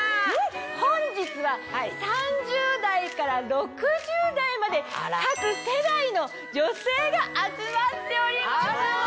本日は３０代から６０代まで各世代の女性が集まっております。